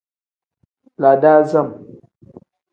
La dasam.